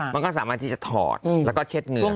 มันก็สามารถที่จะถอดแล้วก็เช็ดเหงื่อ